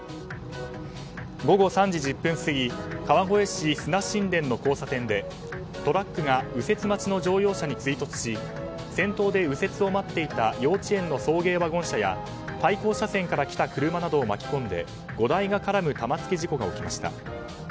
午後３時１０分過ぎ川越市砂新田の交差点でトラックが右折待ちの乗用車に追突し先頭で右折を待っていた幼稚園の送迎ワゴン車や対向車線から来た車などを巻き込んで５台が絡む玉突き事故が起きました。